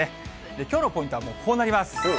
きょうのポイントはこうなります。